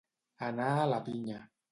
Anar a la pinya.